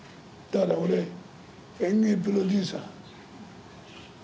だから俺、演芸プロデューサー。